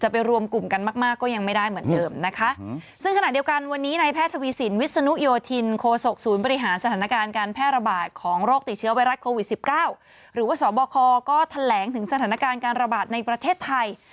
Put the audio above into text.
ปราคอก็แถลงถึงสถานการณ์การระบาดในประเทศไทย